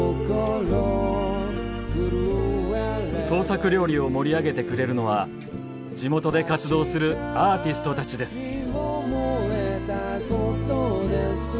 創作料理を盛り上げてくれるのは地元で活動するアーティストたちです。